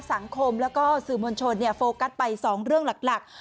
สังคมแล้วก็สื่อมวลชนโฟกัสไป๒เรื่องหลัก